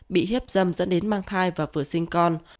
bị hiếp dâm dẫn đến mang thai và vừa sinh con